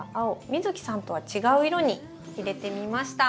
美月さんとは違う色に入れてみました。